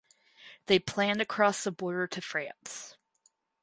They plan to cross the border to France.